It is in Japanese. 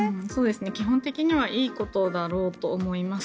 基本的にはいいことだろうと思います。